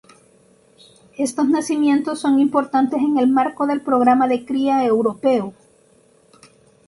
Estos nacimientos son importantes en el marco del programa de cría europeo.